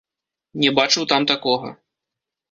Не бачыў там такога.